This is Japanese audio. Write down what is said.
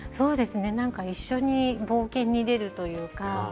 一緒に冒険に出るというか。